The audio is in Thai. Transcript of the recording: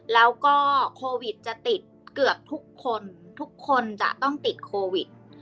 แล้วก็โควิดจะติดเกือบทุกคนทุกคนจะต้องติดโควิด